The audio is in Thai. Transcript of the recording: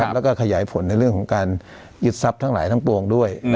แล้วก็ขยายผลในเรื่องของการยึดทรัพย์ทั้งหลายทั้งปวงด้วย